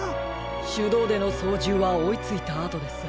しゅどうでのそうじゅうはおいついたあとです。